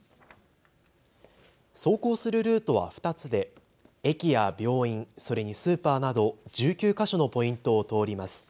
走行するルートは２つで駅や病院、それにスーパーなど１９か所のポイントを通ります。